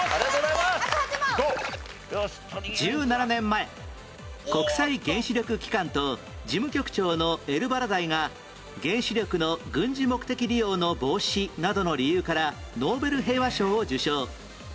１７年前国際原子力機関と事務局長のエルバラダイが原子力の軍事目的利用の防止などの理由からノーベル平和賞を受賞